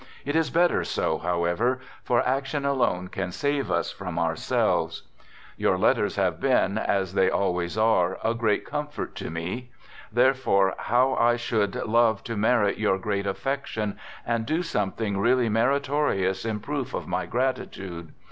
It is better so, however, for action alone can save us from ourselves. Your letters have been, as they always are, a great comfort to me. Therefore, how I should love to merit your great affection and do something really meritorious in proof of my gratitude